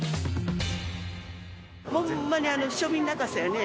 ほんまに庶民泣かせやね。